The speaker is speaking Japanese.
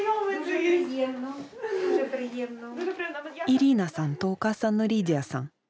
イリーナさんとお母さんのリディヤさん。